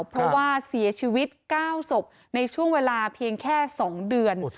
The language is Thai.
เพราะว่าเสียชีวิต๙ศพในช่วงเวลาเพียงแค่๒เดือน